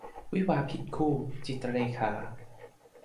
วิวาห์ผิดคู่ - จิตรเลขา